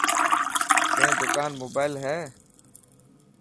تين دڪان موبائل هي؟